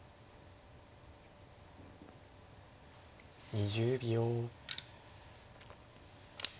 ２０秒。